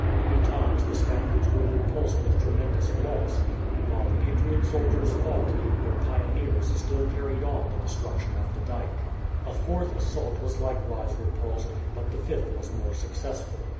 Three times the Spaniards were repulsed with tremendous loss; and while the patriot soldiers fought, their pioneers still carried on the destruction of the dyke. A fourth assault was likewise repulsed, but the fifth was more successful.